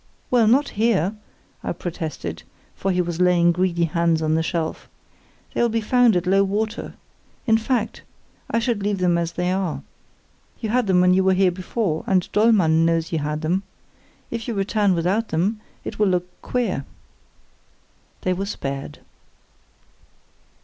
"Well, not here!" I protested, for he was laying greedy hands on the shelf; "they'll be found at low water. In fact, I should leave them as they are. You had them when you were here before, and Dollmann knows you had them. If you return without them, it will look queer." They were spared.